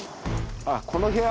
あっこの部屋？